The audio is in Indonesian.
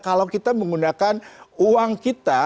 kalau kita menggunakan uang kita